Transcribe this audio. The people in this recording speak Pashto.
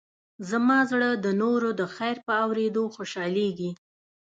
زما زړه د نورو د خیر په اورېدو خوشحالېږي.